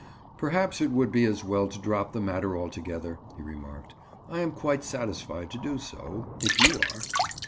"Perhaps it would be as well to drop the matter altogether," he remarked. "I am quite satisfied to do so, if you are."